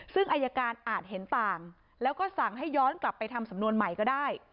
ซึ่งอายการอาจเห็นต่างแล้วก็สั่งให้ย้อนกลับไปทำสำนวนใหม่ก็ได้